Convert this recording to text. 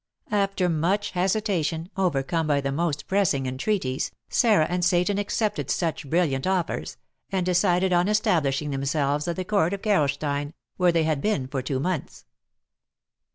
After much hesitation, overcome by the most pressing entreaties, Sarah and Seyton accepted such brilliant offers, and decided on establishing themselves at the court of Gerolstein, where they had been for two months.